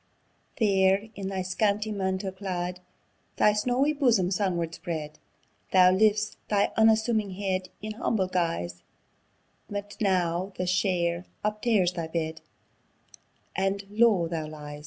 There, in thy scanty mantle clad, Thy snawie bosom sun ward spread, Thou lifts thy unassuming head In humble guise; But now the share uptears thy bed, And low thou lies!